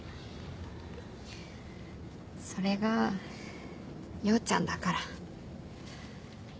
それが陽ちゃんだから。